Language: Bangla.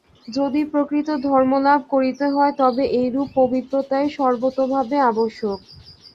যদি প্রকৃত ধর্মলাভ করিতে হয়, তবে এইরূপ পবিত্রতাই সর্বতোভাবে আবশ্যক।